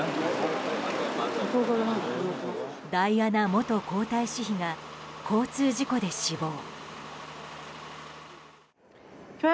ダイアナ元皇太子妃が交通事故で死亡。